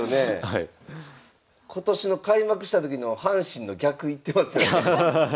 今年の開幕した時の阪神の逆いってますよね。